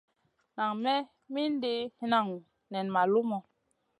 Nan me mindi hinanŋu nen ma lumu.